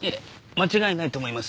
間違いないと思います。